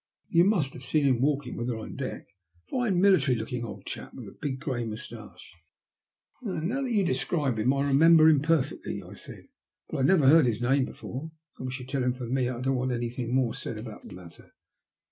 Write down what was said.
You must have seen him walking with her on deck — a fine, military.looking old chap, with a big grey moustache." Now that you describe him, I remember him per fectly," I said; "but I had never heard his name before. I wish you'd tell him from me that I don't want anything more said about the matter.